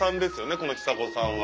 このひさごさんは。